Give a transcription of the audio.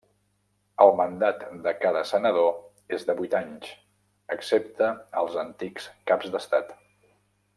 El mandat de cada senador és de vuit anys, excepte els antics caps d'estat.